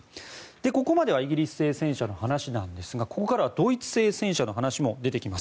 ここまではイギリス製戦車の話なんですがここからはドイツ製戦車の話も出てきます。